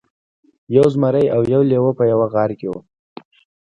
یو زمری او یو لیوه په یوه غار کې وو.